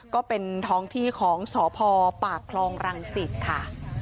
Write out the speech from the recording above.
ก็เป็นท้องที่ของสพปากคลองรังสิตค่ะ